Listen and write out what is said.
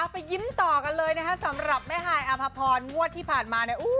ไปยิ้มต่อกันเลยนะคะสำหรับแม่ฮายอภพรงวดที่ผ่านมาเนี่ย